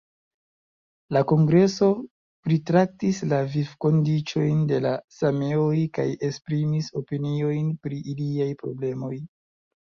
La kongreso pritraktis la vivkondiĉojn de la sameoj kaj esprimis opiniojn pri iliaj problemoj.